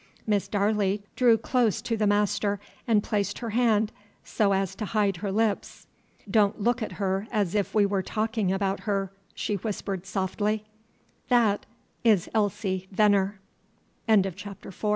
Miss Darley drew close to the master and placed her hand so as to hide her lips. "Don't look at her as if we were talking about her," she whispered softly; "that is Elsie Venner." CHAPTER V. AN OLD FASHIONED DESCRIPTIVE CHAPTER.